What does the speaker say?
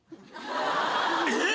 えっ！？